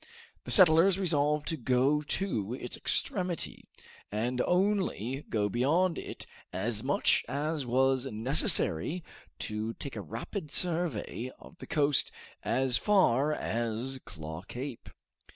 The settlers resolved to go to its extremity, and only go beyond it as much as was necessary to take a rapid survey of the coast as far as Claw Cape.